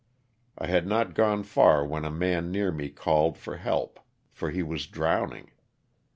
I had not gone far when a man near me called for help for he was drowning.